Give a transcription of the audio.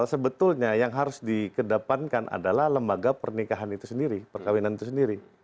sebetulnya yang harus dikedepankan adalah lembaga pernikahan itu sendiri perkawinan itu sendiri